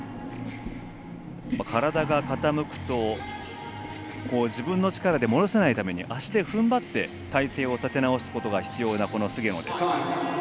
体が傾くと、自分の力で戻せないために、足でふんばって体勢を立て直すことが必要なこの菅野です。